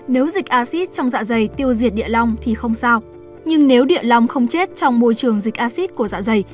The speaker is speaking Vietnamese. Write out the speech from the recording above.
để tiêu diệt địa lòng thì không sao nhưng nếu địa lòng không chết trong môi trường dịch axit của dạ dày